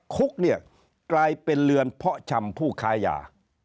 คุกเนี่ยกลายเป็นเรือนเพาะชำผู้ค้ายา